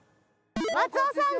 松尾さん。